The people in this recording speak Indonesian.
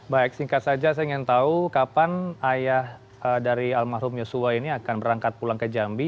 baik singkat saja saya ingin tahu kapan ayah dari almarhum yosua ini akan berangkat pulang ke jambi